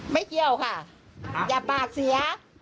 เกี่ยวค่ะอย่าปากเสีย